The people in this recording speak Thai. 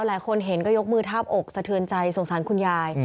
หลายคนเห็นก็ยกมือทาบอกสะเทือนใจสงสารคุณยาย